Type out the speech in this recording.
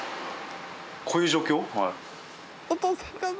こういう状況？